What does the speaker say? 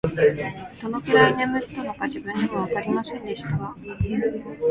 どのくらい眠ったのか、自分でもわかりませんでしたが、